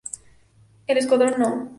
El Escuadrón No.